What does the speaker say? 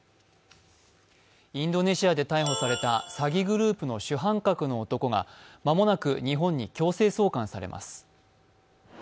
インドネシアで逮捕された詐欺グループの主犯格の男が間もなく日本に強制送還されます。